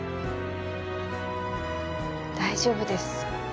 大丈夫です。